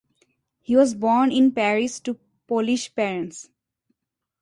He was born in Paris to Polish parents.